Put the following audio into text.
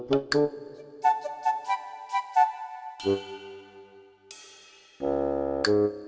itu yang kita lakukan